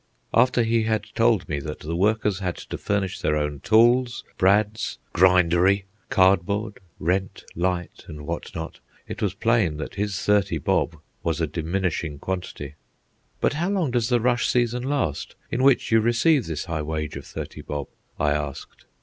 After he had told me that the workers had to furnish their own tools, brads, "grindery," cardboard, rent, light, and what not, it was plain that his thirty bob was a diminishing quantity. "But how long does the rush season last, in which you receive this high wage of thirty bob?" I asked.